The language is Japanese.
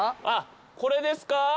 あこれですか？